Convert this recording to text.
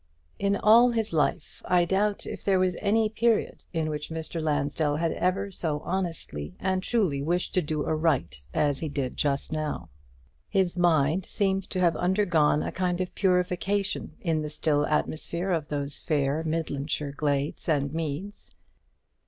In all his life, I doubt if there was any period in which Mr. Lansdell had ever so honestly and truly wished to do aright as he did just now. His mind seemed to have undergone a kind of purification in the still atmosphere of those fair Midlandshire glades and meads.